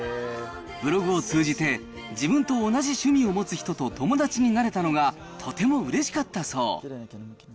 ブログを通じて、自分と同じ趣味を持つ人と友達になれたのがとてもうれしかったそう。